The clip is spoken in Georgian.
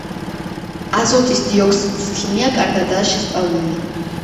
აზოტის დიოქსიდის ქიმია კარგადაა შესწავლილი.